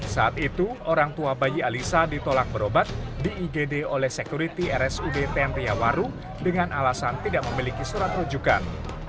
saat itu orang tua bayi alisa ditolak berobat di igd oleh sekuriti rsud tn riawaru dengan alasan tidak memiliki surat rujukan